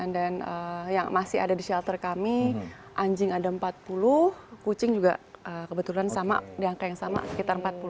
dan yang masih ada di shelter kami anjing ada empat puluh kucing juga kebetulan sama di angka yang sama sekitar empat puluh